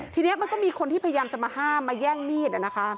ทีนี้มันก็มีคนที่พยายามจะมาห้ามมาแย่งมีด